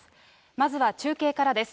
まずは中継からです。